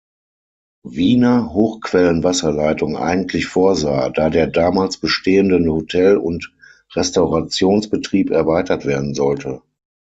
Wiener Hochquellenwasserleitung eigentlich vorsah, da der damals bestehenden Hotel- und Restaurationsbetrieb erweitert werden sollte.